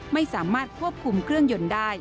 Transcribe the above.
ไม่สามารถควบคุมเครื่องยนต์ได้